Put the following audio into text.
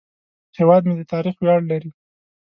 هیواد مې د تاریخ ویاړ لري